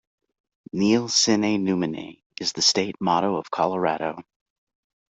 "Nil sine numine" is the state motto of Colorado.